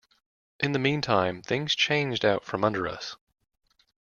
In the meantime, things changed out from under us.